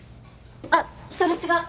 あっそれ違う！